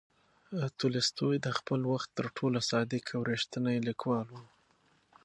تولستوی د خپل وخت تر ټولو صادق او ریښتینی لیکوال و.